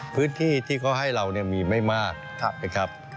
พื้นที่ที่เขาให้เรามีไม่มากนะครับ